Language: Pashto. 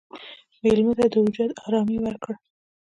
مېلمه ته د وجود ارامي ورکړه.